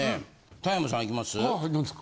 田山さんいきます？